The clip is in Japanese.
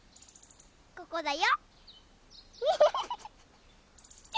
ここだよ！